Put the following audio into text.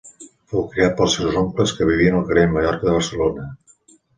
Fou criat pels seus oncles que vivien al carrer Mallorca de Barcelona.